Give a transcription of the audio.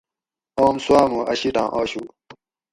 آم سُواۤ مُو اۤ شِیٹاۤں آشُو